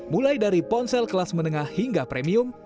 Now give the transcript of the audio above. mulai dari ponsel kelas menengah hingga premium